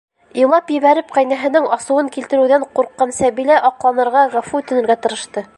- Илап ебәреп ҡәйнәһенең асыуын килтереүҙән ҡурҡҡан Сәбилә аҡланырға, ғәфү үтенергә тырышты.